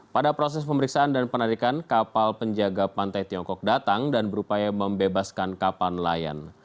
pada proses pemeriksaan dan penarikan kapal penjaga pantai tiongkok datang dan berupaya membebaskan kapal nelayan